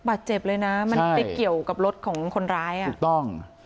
บาดเจ็บเลยนะมันไปเกี่ยวกับรถของคนร้ายอ่ะถูกต้อง